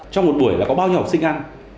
trong một buổi là có bao nhiêu học sinh ăn